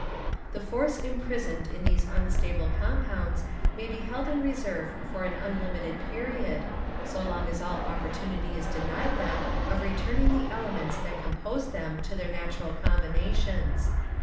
The force imprisoned in these unstable compounds may be held in reserve for an unlimited period, so long as all opportunity is denied them of returning the elements that compose them to their original combinations.